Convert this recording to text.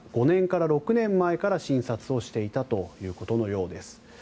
５年から６年前から診察をしていたということのようです。